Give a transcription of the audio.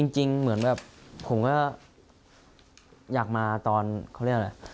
จริงเหมือนแบบผมก็อยากมาตอนเขาเรียกอะไร